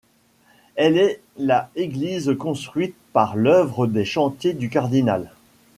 Elle est la église construite par l'Œuvre des Chantiers du Cardinal.